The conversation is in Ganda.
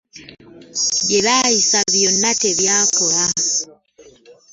Bye baayisa byonna tebyakola.